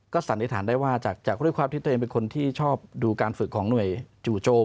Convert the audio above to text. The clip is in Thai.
สันนิษฐานได้ว่าจากด้วยความที่ตัวเองเป็นคนที่ชอบดูการฝึกของหน่วยจู่โจม